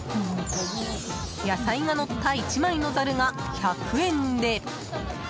野菜が乗った１枚のザルが１００円で。